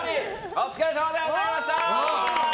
お疲れさまでございました。